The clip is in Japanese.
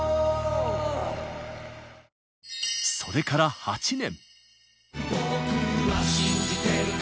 それから８年。